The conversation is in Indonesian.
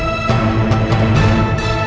jangan lupa joko tingkir